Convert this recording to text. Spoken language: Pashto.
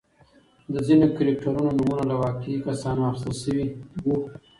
د ځینو کرکټرونو نومونه له واقعي کسانو اخیستل شوي وو.